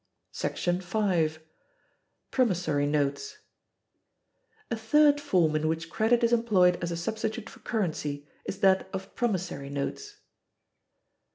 § 5. Promissory Notes. A third form in which credit is employed as a substitute for currency is that of promissory notes.